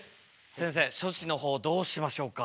先生処置の方どうしましょうか？